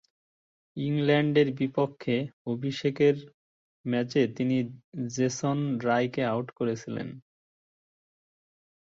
ইংল্যান্ডের বিপক্ষে অভিষেকের ম্যাচে তিনি জেসন রায়কে আউট করেছিলেন।